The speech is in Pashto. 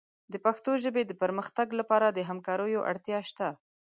د پښتو ژبې د پرمختګ لپاره د همکاریو اړتیا شته.